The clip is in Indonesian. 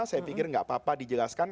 saya pikir nggak apa apa dijelaskan